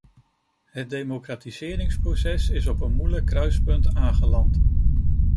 Het democratiseringsproces is op een moeilijk kruispunt aangeland.